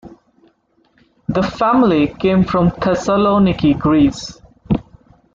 The family came from Thessaloniki, Greece.